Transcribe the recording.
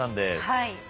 はい。